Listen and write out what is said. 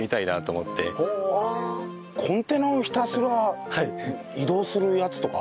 コンテナをひたすら移動するやつとかあるんですか？